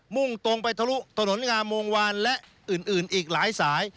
่งตรงไปทะลุถนนงามวงวานและอื่นอีกหลายสาย